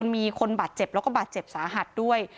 มีคนบาดเจ็บแล้วก็บาดเจ็บสาหัสด้วย